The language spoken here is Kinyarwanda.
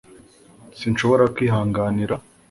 sinshobora kwihanganira